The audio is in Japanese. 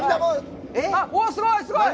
おーっ、すごいすごい！